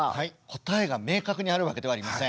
答えが明確にあるわけではありません。